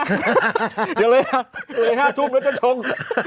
เดี๋ยวเลย๕ทุ่มแล้วจะชง